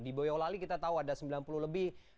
di boyolali kita tahu ada sembilan puluh lebih